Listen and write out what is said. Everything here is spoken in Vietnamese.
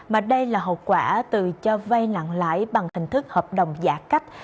mà đây là hậu quả từ cho vay nặng lãi bằng hình thức hợp đồng giả cách